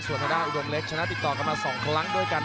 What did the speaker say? ส่วนทางด้านอุดมเล็กชนะติดต่อกันมา๒ครั้งด้วยกัน